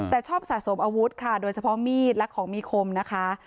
แต่ชอบสะสมอาวุธค่ะโดยเฉพาะมีดและของมีคมนะคะ